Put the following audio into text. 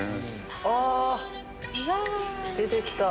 あ出てきた。